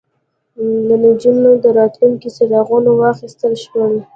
له نجونو د راتلونکي څراغونه واخیستل شول